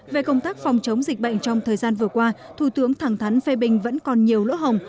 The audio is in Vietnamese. về công tác phòng chống dịch bệnh trong thời gian vừa qua thủ tướng thẳng thắn phê bình vẫn còn nhiều lỗ hồng